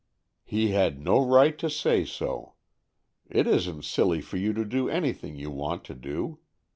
"He had no right to say so. It isn't silly for you to do anything you want to do.